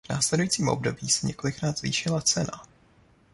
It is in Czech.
V následujícím období se několikrát zvýšila cena.